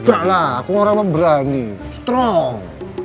enggak lah aku orang yang berani strong